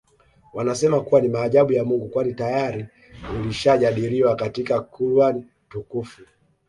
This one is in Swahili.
Wanasema kuwa ni maajabu ya Mungu kwani tayari lilishajadiliwa katika Quran Tukufu